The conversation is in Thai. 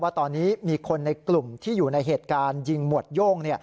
ว่าตอนนี้มีคนในกลุ่มที่อยู่ในเหตุการณ์ยิงหมวดโย่ง